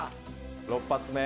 ６発目。